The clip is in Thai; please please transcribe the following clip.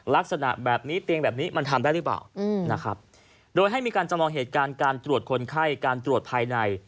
ลักษณะแบบนี้เตียงแบบนี้มันทำได้หรือเปล่านะครับโดยให้มีการจำลองเหตุการณ์การตรวจคนไข้การตรวจภายใน